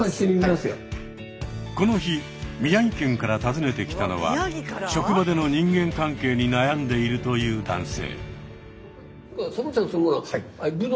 この日宮城県から訪ねてきたのは職場での人間関係に悩んでいるという男性。